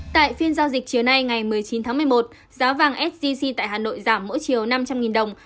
tại phiên giao dịch chiều nay ngày một mươi chín tháng một mươi một giá vàng sgc tại hà nội giảm mỗi chiều năm trăm linh đồng